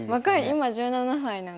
今１７歳なんですけど。